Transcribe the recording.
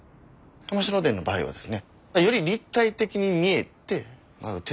山城伝の場合はですね